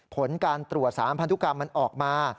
ผลการตรวจสารพันธุกรรมมันออกมา